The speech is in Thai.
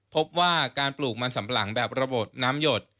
พบว่าการปลูกมันสำปะหลังแบบระบบน้ำหยด